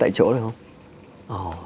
thật được ạ